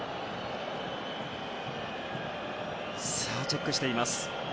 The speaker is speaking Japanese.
チェックしています。